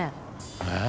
えっ？